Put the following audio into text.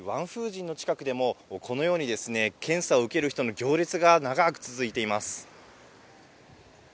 じんの近くでも、このようにですね、検査を受ける人の行列が長く続いています。